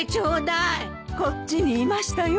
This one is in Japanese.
こっちにいましたよ。